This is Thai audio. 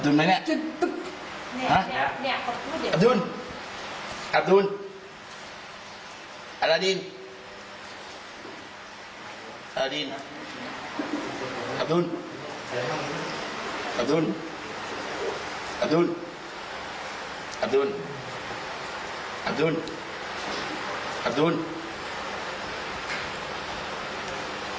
อัทดูลอัทดูลอัทดูลอัทดูล